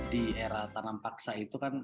di era tanam paksa itu kan